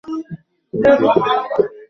পুলিশের ওপর পুরোপুরি নির্ভরও তিনি করেন নি।